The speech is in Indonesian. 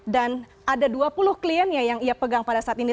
dan ada dua puluh kliennya yang ia pegang pada saat ini